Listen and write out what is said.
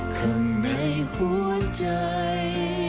ทุกไป